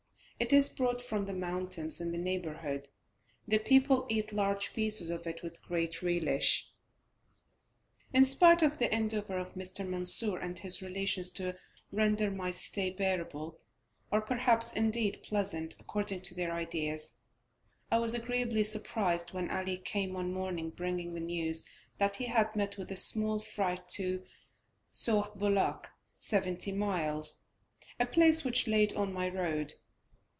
It is brought from the mountains in the neighbourhood, the people eat large pieces of it with great relish. In spite of the endeavours of Mr. Mansur and his relations to render my stay bearable, or perhaps, indeed, pleasant, according to their ideas, I was agreeably surprised when Ali came one morning bringing the news that he had met with a small freight to Sauh Bulak (seventy miles) a place which laid on my road.